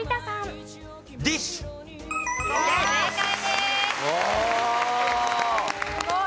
すごい。